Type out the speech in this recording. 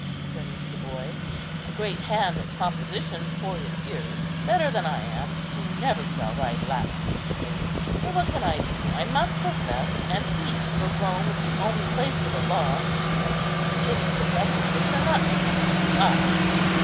turning to the boy; "a great hand at composition for his years; better than I am, who never shall write Latin decently. Yet what can I do? I must profess and teach, for Rome is the only place for the law, and these city professorships are not to be despised."